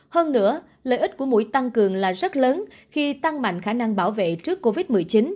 hơn nữa lợi ích của mũi tăng cường là rất lớn khi tăng mạnh khả năng bảo vệ trước covid một mươi chín